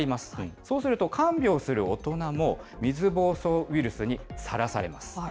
そうすると、看病する大人も水ぼうそうウイルスにさらされます。